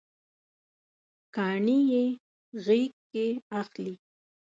کاڼي یې غیږکې اخلي